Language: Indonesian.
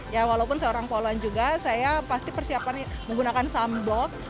ya walaupun seorang pahlawan juga saya pasti persiapan menggunakan sunblock